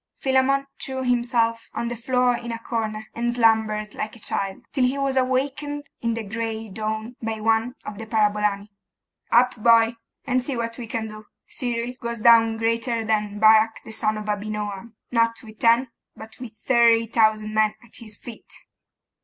Philammon threw himself on the floor in a corner, and slumbered like a child, till he was awakened in the gray dawn by one of the parabolani. 'Up, boy! and see what we can do. Cyril goes down greater than Barak the son of Abinoam, not with ten, but with thirty thousand men at his feet!